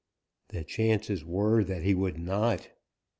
The chances were that he would not.